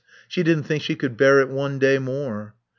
She didn't think she could bear it one day more.